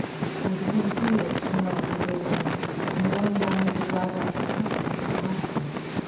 I became curious to know who they were, and going down with the driver after supper, I asked him.